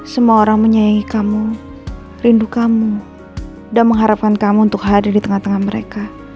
semua orang menyayangi kamu rindu kamu dan mengharapkan kamu untuk hadir di tengah tengah mereka